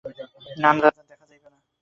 না দাদা, দেখা যাইবে না।